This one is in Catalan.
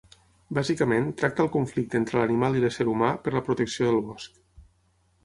Bàsicament tracta el conflicte entre l'animal i l'ésser humà per la protecció del bosc.